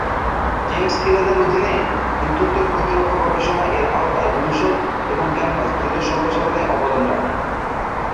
James কিলান-এর অধীনে যুদ্ধোত্তর প্রতিরক্ষা গবেষণা এর আওতায় অনুষদ এবং ক্যাম্পাস দ্রুত সম্প্রসারণে অবদান রাখে।